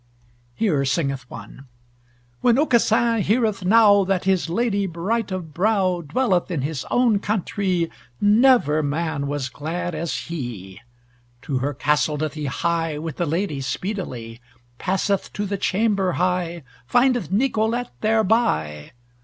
Here singeth one: When Aucassin heareth now That his lady bright of brow Dwelleth in his own countrie, Never man was glad as he. To her castle doth he hie With the lady speedily, Passeth to the chamber high, Findeth Nicolete thereby.